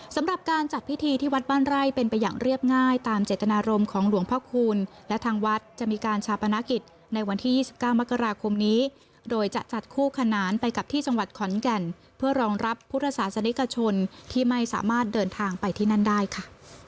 สำหรับการจัดพิธีที่วัดบ้านไร่เป็นไปอย่างเรียบง่ายตามเจตนารมณ์ของหลวงพ่อคูณและทางวัดจะมีการชาปนกิจในวันที่๒๙มกราคมนี้โดยจะจัดคู่ขนานไปกับที่จังหวัดขอนแก่นเพื่อรองรับพุทธศาสนิกชนที่ไม่สามารถเดินทางไปที่นั่นได้ค่ะ